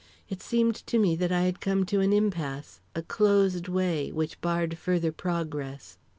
It seemed to me that I had come to an impasse a closed way which barred further progress.